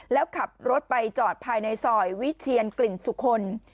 แล้วขับรถไปจอดภายในซอยวิเชียนกลิ่นสุคล